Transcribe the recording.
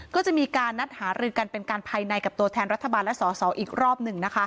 ก็จะมีการนัดหารือกันเป็นการภายในกับตัวแทนรัฐบาลและสอสออีกรอบหนึ่ง